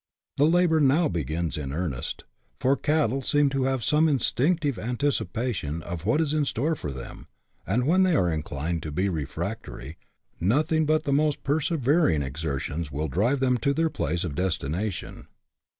The labour now begins in earnest, for cattle seem to have some instinctive anticipation of what is in store for them, and when they are inclined to be refractory, nothing but the most persevering exertions will drive them to their place of destination.